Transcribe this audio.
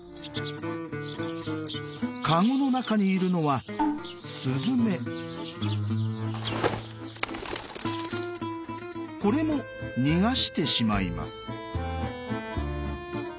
かごの中にいるのはこれも逃がしてしまいます。